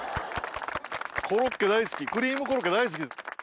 コロッケ大好きクリームコロッケ大好きです。